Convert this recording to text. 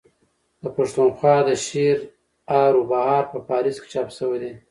د پښتونخوا دشعرهاروبهار په پاريس کي چاپ سوې ده.